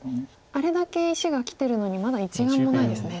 あれだけ石がきてるのにまだ１眼もないですね。